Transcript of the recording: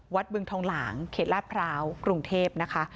วัดเบื้องทองหลางเขตราสพราวกรุงเทพฯนะคะ